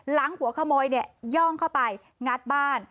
หลังหัวขโมยเนี่ยย่องเข้าไปงัดบ้าน